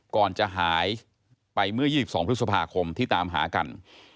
ก่อนจะหายไปเมื่อ๒๒พฤษภาคมที่ตามหากัน